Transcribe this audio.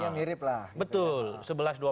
bahasa bertahun tahunnya mirip lah